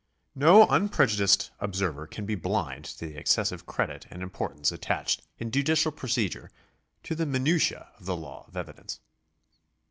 No unprejudiced observer can be blind to the excessive credit and importance attached in judicial procedure to the minutiae of the law of evidence.